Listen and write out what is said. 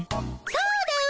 そうだわ！